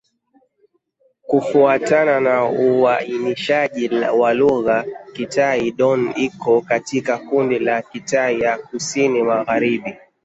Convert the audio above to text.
Kufuatana na uainishaji wa lugha, Kitai-Dón iko katika kundi la Kitai ya Kusini-Magharibi.